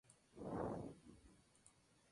Es uno de los actos más multitudinarios.